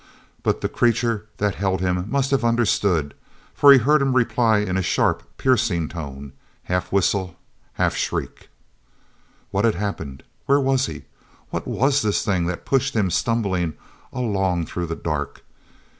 But the creature that held him must have understood, for he heard him reply in a sharp, piercing tone, half whistle, half shriek. hat had happened? Where was he? What was this thing that pushed him, stumbling, along through the dark?